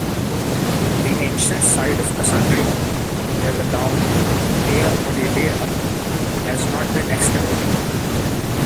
The ancient site of Cassandreia, near the town Nea Poteidaia, has not been excavated.